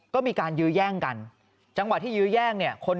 ก็มีการยื้อแย่งกันจังหวะที่ยื้อแย่งเนี่ย